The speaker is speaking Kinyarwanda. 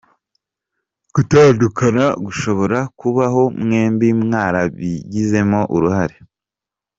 Gutandukana gushobora kubaho mwembi mwarabiogezemo uruhare.